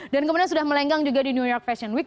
dan kemudian sudah melenggang juga di new york fashion week